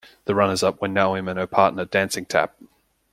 The runners up were Naoimh and her partner, dancing tap.